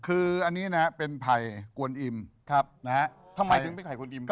คืออันนินะเป็นไผัยกวนอิมหนะฮะใช่ทำไมซึ่งเป็นไผัยกวนอิม